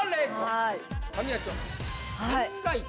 はい。